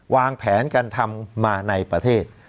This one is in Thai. วางแผนการทำมาในประเทศ